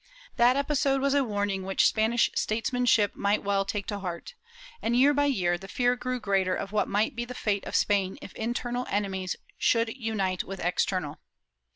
That episode was a warning which Span ish statesmanship might well take to heart, and, year by year, the fear grew greater of what might be the fate of Spain if internal enemies should unite with external.